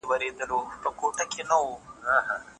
که استاد خپلواک وي شاګرد به هم په راتلونکي کي خپلواک سي.